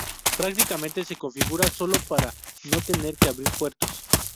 Prácticamente se configura solo, para no tener que abrir puertos.